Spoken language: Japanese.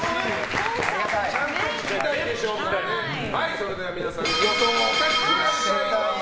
それでは皆さん予想をお書きください。